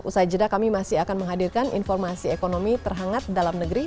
usai jeda kami masih akan menghadirkan informasi ekonomi terhangat dalam negeri